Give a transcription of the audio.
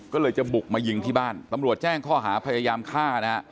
ก็เลยจะบุกมายิงที่บ้านตำรวจแจ้งข้อหาพยายามฆ่านะฮะ